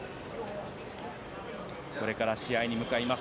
これから試合に向かいます